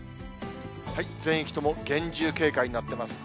全域とも厳重警戒になってます。